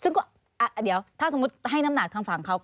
ซึ่งก็เดี๋ยวถ้าสมมุติให้น้ำหนักทางฝั่งเขา